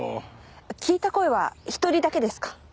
聞いた声は１人だけですか？